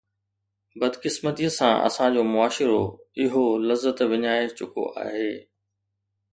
بدقسمتيءَ سان اسان جو معاشرو اهو لذت وڃائي چڪو آهي.